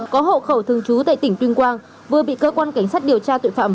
có hộ khẩu thường trú tại tỉnh tuyên quang vừa bị cơ quan cảnh sát điều tra tội phạm